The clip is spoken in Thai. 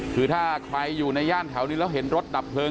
คือถ้าใครอยู่ในย่านแถวนี้แล้วเห็นรถดับเพลิง